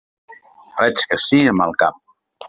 Faig que sí amb el cap.